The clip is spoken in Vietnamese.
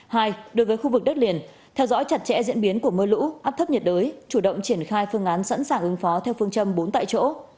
hai đối với khu vực đất liền theo dõi chặt chẽ diễn biến của mưa lũ áp thấp nhiệt đới chủ động triển khai phương án sẵn sàng ứng phó theo phương châm bốn tại chỗ